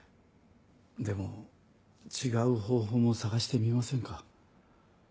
でも違う方法も探してみませんか？